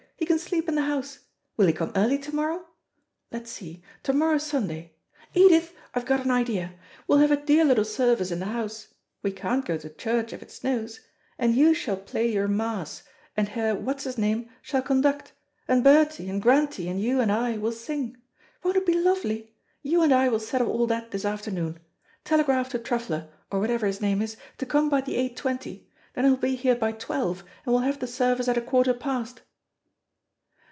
He can sleep in the house. Will he come early to morrow? Let's see to morrow's Sunday. Edith, I've got an idea. We'll have a dear little service in the house we can't go to church if it snows and you shall play your Mass, and Herr What's his name shall conduct, and Bertie, and Grantie, and you and I will sing. Won't it be lovely? You and I will settle all that this afternoon. Telegraph to Truffler, or whatever his name is, to come by the eight twenty. Then he'll be here by twelve, and we'll have the service at a quarter past."